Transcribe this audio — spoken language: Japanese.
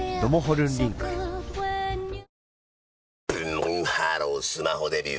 ブンブンハロースマホデビュー！